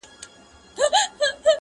د سیند پر غاړه به زنګیږي ونه-